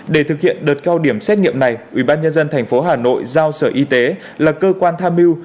để thực hiện đợt cao điểm xét nghiệm này ubnd tp hà nội giao sở y tế là cơ quan tham mưu